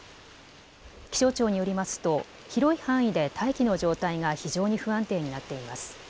気象庁によりますと広い範囲で大気の状態が非常に不安定になっています。